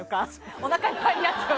おなかいっぱいになっちゃう。